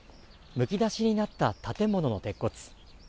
むき出しになった建物の鉄骨。